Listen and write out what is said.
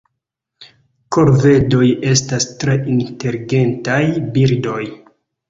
Korvedoj estas tre inteligentaj birdoj.